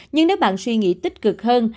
nhưng nếu bạn suy nghĩ tích cực hơn